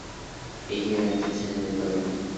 Ella era la tercera de cuatro niñas.